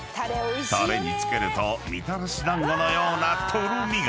［タレに漬けるとみたらし団子のようなとろみが］